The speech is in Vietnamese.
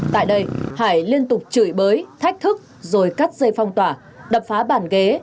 tại đây hải liên tục chửi bới thách thức rồi cắt dây phong tỏa đập phá bàn ghế